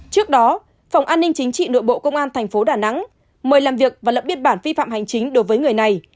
trước đó phòng an ninh chính trị nội bộ công an tp hcm mời làm việc và lập biên bản phi phạm hành chính đối với người này